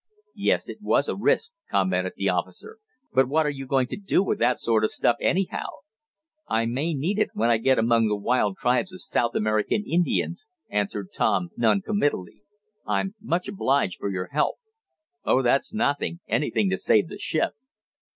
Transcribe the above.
"Yes, it was a risk," commented the officer. "But what are you going to do with that sort of stuff, anyhow?" "I may need it when we get among the wild tribes of South American Indians," answered Tom non commitally. "I'm much obliged for your help." "Oh, that's nothing. Anything to save the ship."